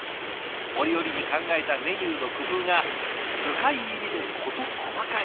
折々に考えたメニューの工夫が図解入りで事細かに。